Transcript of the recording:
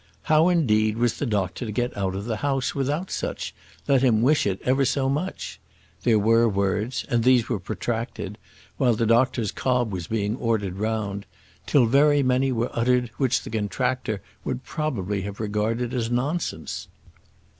How, indeed, was the doctor to get out of the house without such, let him wish it ever so much? There were words; and these were protracted, while the doctor's cob was being ordered round, till very many were uttered which the contractor would probably have regarded as nonsense.